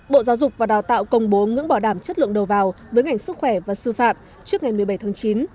bộ giáo dục và đào tạo công bố ngưỡng bảo đảm chất lượng đầu vào với ngành sức khỏe và sư phạm trước ngày một mươi bảy tháng chín